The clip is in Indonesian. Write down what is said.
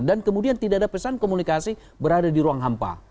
dan kemudian tidak ada pesan komunikasi berada di ruang hampa